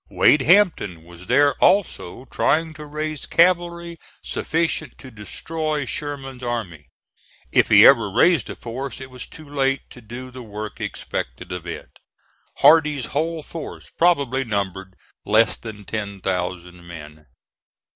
Wade Hampton was there also trying to raise cavalry sufficient to destroy Sherman's army. If he ever raised a force it was too late to do the work expected of it. Hardee's whole force probably numbered less than ten thousand men.